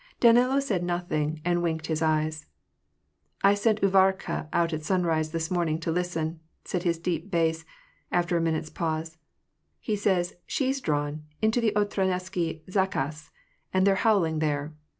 Danilo said nothing, and winked his eyes. " I sent XJvarka out at sunrise this morning to listen," said his deep bass, after a minute's pause. ^^ He says she^s drawn into the Otradnenskv zakds, and they're howling there."